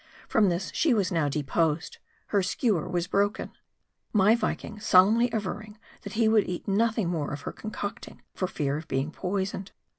From this she was now deposed. Her skewer was broken. My Viking solemnly averring, that he would eat nothing more of her concocting, for fear of being poisoned.